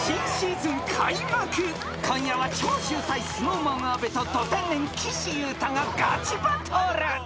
［今夜は超秀才ＳｎｏｗＭａｎ阿部とド天然岸優太がガチバトル］